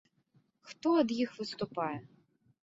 Хто ад іх выступае?